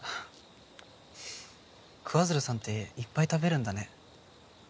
桑鶴さんっていっぱい食べるんだね